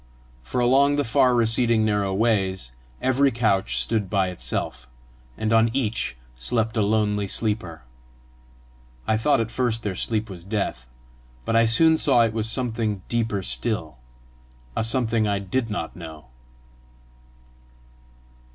For along the far receding narrow ways, every couch stood by itself, and on each slept a lonely sleeper. I thought at first their sleep was death, but I soon saw it was something deeper still a something I did not know.